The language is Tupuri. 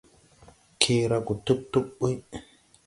Kee ra go tub tub buy.